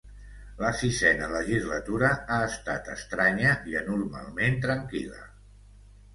La sisena legislatura ha estat estranya i anormalment tranquil·la.